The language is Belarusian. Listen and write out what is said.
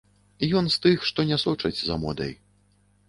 Ён з тых, што не сочаць за модай.